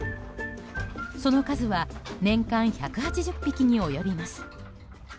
その数は年間１８０匹に及びます。